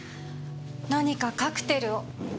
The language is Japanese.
何かカクテルを。